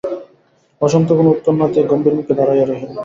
বসন্ত কোনো উত্তর না দিয়া গম্ভীরমুখে দাঁড়াইয়া রহিল।